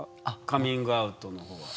カミングアウトの方は。